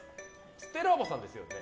ステラおばさんですよね。